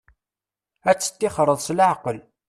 Ad tt-textireḍ s laɛqel.